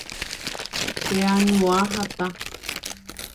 cheañua hatã